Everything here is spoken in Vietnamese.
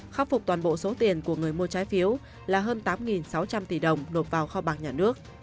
khắc phục toàn bộ số tiền của người mua trái phiếu là hơn tám sáu trăm linh tỷ đồng nộp vào kho bạc nhà nước